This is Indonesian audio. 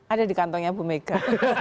ada di kantongnya bu mega